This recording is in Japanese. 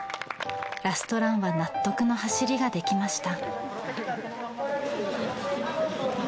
ラストランは納得の走りができました。